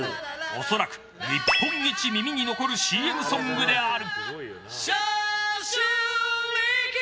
恐らく、日本一耳に残るＣＭソングである。